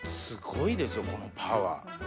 すごいでしょこのパワー。